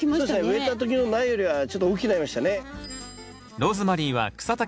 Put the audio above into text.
植えた時の苗よりはちょっと大きくなりましたね。